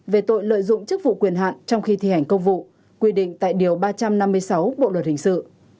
về tội lợi dụng chức vụ quyền hạn trong khi thi hành công vụ quy định tại điều ba trăm năm mươi sáu bộ luật hình sự